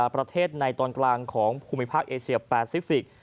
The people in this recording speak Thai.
ประเทศในตอนกลางของภูมิภาคเอเชียแปซิฟิกส